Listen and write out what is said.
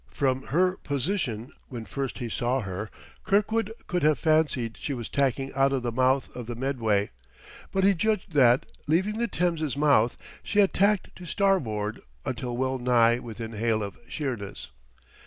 From her position when first he saw her, Kirkwood could have fancied she was tacking out of the mouth of the Medway; but he judged that, leaving the Thames' mouth, she had tacked to starboard until well nigh within hail of Sheerness.